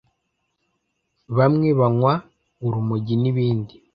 bamwe banywa urumogi n’ibindi